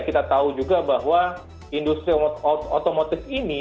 kita tahu juga bahwa industri otomotif ini